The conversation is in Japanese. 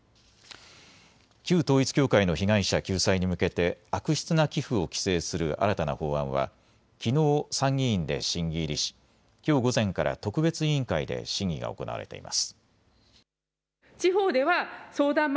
旧統一教会の被害者救済に向けて悪質な寄付を規制する新たな法案はきのう参議院で審議入りしきょう午前から特別委員会で審議が行われています。